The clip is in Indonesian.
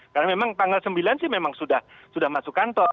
karena memang tanggal sembilan sih memang sudah masuk kantor